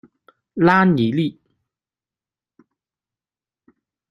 拉尼利。